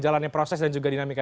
jalannya proses dan juga dinamika